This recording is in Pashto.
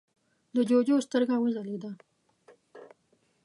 د جُوجُو سترګه وځلېده: